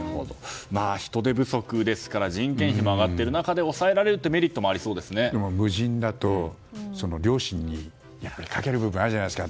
人手不足ですから人件費も上がっている中で抑えられるという無人だと良心に働きかける部分があるじゃないですか。